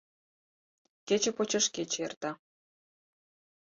Кече почеш кече эрта.